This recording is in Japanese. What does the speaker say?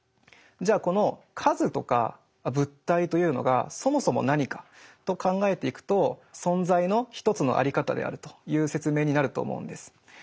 じゃあこの数とか物体というのがそもそも何かと考えていくと「存在」の一つのあり方であるという説明になると思うんです。